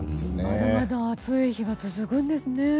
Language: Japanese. まだまだ暑い日が続くんですね。